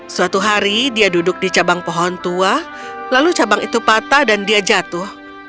suatu hari dia duduk di cabang pohon tua lalu cabang itu patah dan dia jatuh